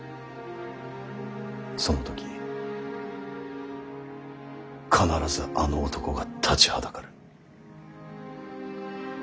その時必ずあの男が立ちはだかる。